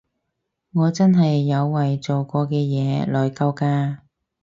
我真係有為做過嘅嘢內疚㗎